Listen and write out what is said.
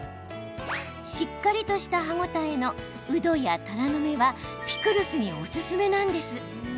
しっかりとした歯応えのうどや、たらの芽はピクルスにおすすめ。